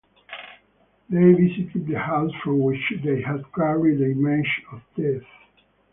They visited the house from which they had carried the image of Death.